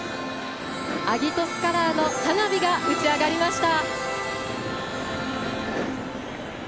アギトスカラーの花火が打ち上がりました。